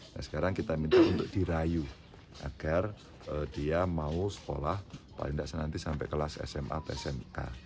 nah sekarang kita minta untuk dirayu agar dia mau sekolah paling tidak senanti sampai kelas sma atau smk